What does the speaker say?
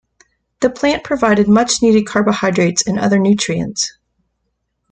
The plant provided much needed carbohydrates and other nutrients.